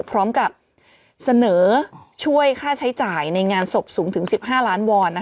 พร้อมกับเสนอช่วยค่าใช้จ่ายในงานศพสูงถึง๑๕ล้านวอน